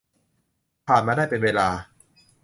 ผ่านมาได้เป็นเวลา